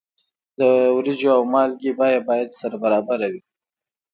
د وریجو او مالګې بیه باید سره برابره وي.